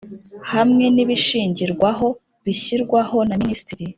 hamwe n ibishingirwaho bishyirwaho na Minisitiri